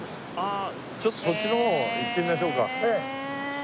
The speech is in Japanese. ちょっとそっちの方行ってみましょうか。